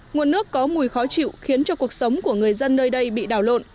nguồn nước có mùi khó chịu khiến cho cuộc sống của người dân nơi đây bị đảo lộn